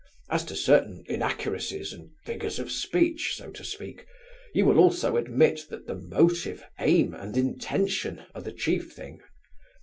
As to certain inaccuracies and figures of speech, so to speak, you will also admit that the motive, aim, and intention, are the chief thing.